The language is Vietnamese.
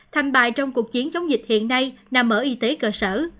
thành bài trong cuộc chiến chống dịch hiện nay nằm ở y tế cơ sở